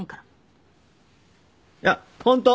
いやホント